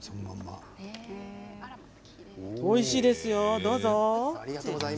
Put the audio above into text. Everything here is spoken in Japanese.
おいしいですよ、どうぞ。